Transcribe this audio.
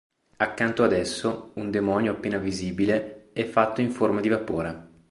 Accanto ad esso, un demonio appena visibile è fatto in forma di vapore.